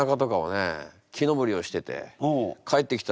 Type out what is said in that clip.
木登りをしてて。